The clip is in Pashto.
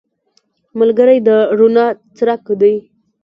ملګری د رڼا څرک دی